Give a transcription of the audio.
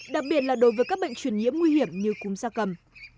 đặc biệt là đối với các bệnh truyền nhiễm nguy hiểm như cúm da cầm